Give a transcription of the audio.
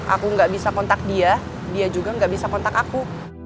aku nggak bisa kontak dia dia juga nggak bisa kontak aku